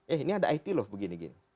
eh ini ada it loh begini gini